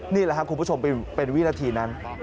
นี่แหละครับคุณผู้ชมเป็นวินาทีนั้น